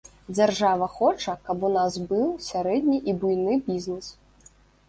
Дзяржава хоча, каб у нас быў сярэдні і буйны бізнес.